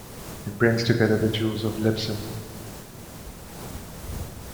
It brings together the Jews of Lisbon.